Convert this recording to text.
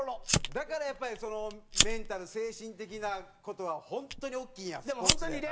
だからやっぱりそのメンタル精神的な事は本当に大きいんやスポーツで。